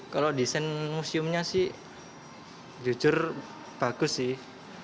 kalau desain museumnya sih jujur bagus sih